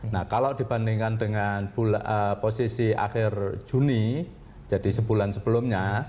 nah kalau dibandingkan dengan posisi akhir juni jadi sebulan sebelumnya